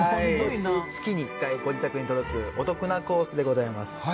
月に１回ご自宅に届くお得なコースでございます。